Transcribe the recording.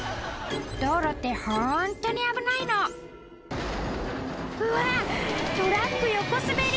道路ってホントに危ないのうわトラック横滑り！